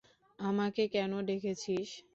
আমাকে কেন ডেকেছিস?